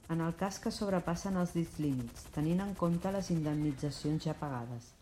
En el cas que sobrepassen els dits límits, tenint en compte les indemnitzacions ja pagades.